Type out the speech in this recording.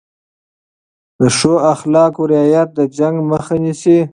د ښو اخلاقو رعایت د جنګ مخه نیسي.